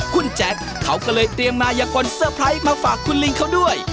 คุณแจ๊คเขาก็เลยเตรียมมายกลเซอร์ไพรส์มาฝากคุณลิงเขาด้วย